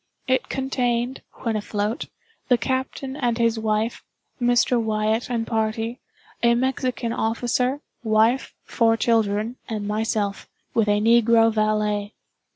It contained, when afloat, the captain and his wife, Mr. Wyatt and party, a Mexican officer, wife, four children, and myself, with a negro valet.